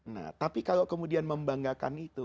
nah tapi kalau kemudian membanggakan itu